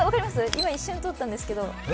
今一瞬、通ったんですけど。